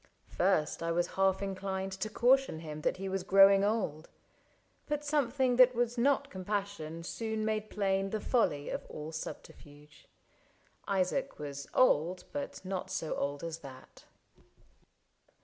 First I was half inclined To caution him that he was growing old. But something that was not compassion soon Made plain the folly of all subterfuge. Isaac was old, but not so old as that.